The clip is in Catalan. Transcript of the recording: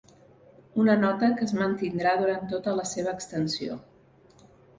Una nota que es mantindrà durant tota la seva extensió.